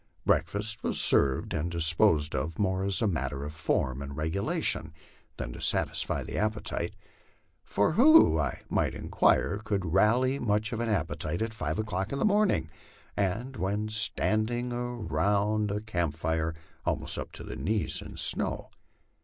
Breakfast was served and disposed of more as a matter of form and regulation than to satisfy the appetite ; for who, I might inquire, could rally much of an appetite at five o'clock in tlie morning, and when standing around 146 LIFE ON THE PLAINS. A camp fire almost up to the knees in snow?